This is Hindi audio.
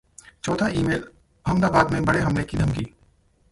चौथा ई-मेल: अहमदाबाद में बड़े हमले की धमकी